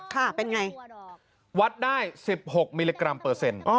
ค่ะเป็นไงวัดได้๑๖มิลลิกรัมเปอร์เซ็นต์